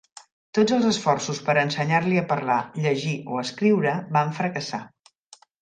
Tots els esforços per ensenyar-li a parlar, llegir o escriure van fracassar.